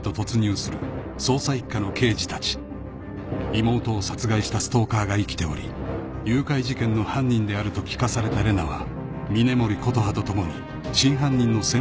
［妹を殺害したストーカーが生きており誘拐事件の犯人であると聞かされた玲奈は峰森琴葉と共に真犯人の潜伏先へと向かう］